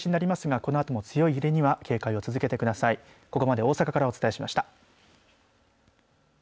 ここまで大阪からお伝えしました。